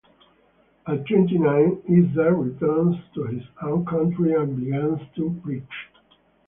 At twenty-nine, Issa returns to his own country and begins to preach.